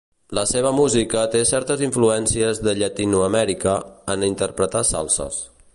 La seva música té certes influències de Llatinoamèrica, en interpretar salses.